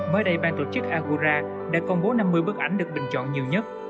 mới đây bang tổ chức aurora đã công bố năm mươi bức ảnh được bình chọn nhiều nhất